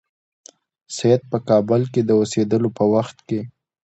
سید په کابل کې د اوسېدلو په وخت کې.